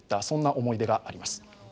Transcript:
そんな思い出があります。